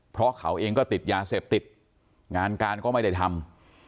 เพราะเขาเองก็ติดยาเสพติดงานการก็ไม่ได้ทำ